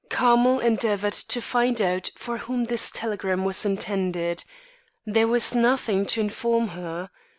Carmel endeavoured to find out for whom this telegram was intended. There was nothing to inform her.